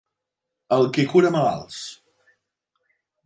El qui cura malalts.